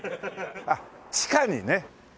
あっ地下にね。